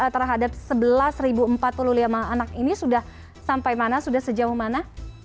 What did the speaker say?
terhadap sebelas empat puluh lima anak ini sudah sampai mana sudah sejauh mana